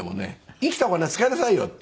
生きたお金使いなさいって。